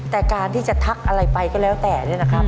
แต่การที่จะทักอะไรไปก็แล้วแต่เนี่ยนะครับ